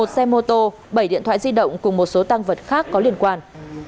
một xe mô tô bảy điện thoại di động cùng một số tăng vật khác có liên quan